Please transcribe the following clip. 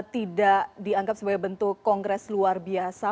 tidak dianggap sebagai bentuk kongres luar biasa